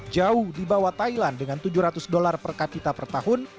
jauh di bawah thailand dengan tujuh ratus dolar per kapita per tahun